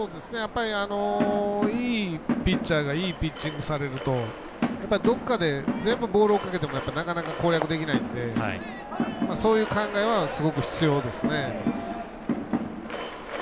いいピッチャーがいいピッチングされるとやっぱり、どこかで全部、ボールを追いかけてもなかなか攻略できないのでそういう考えはすごく必要ですね。